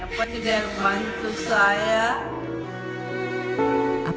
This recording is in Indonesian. saya mau bantuan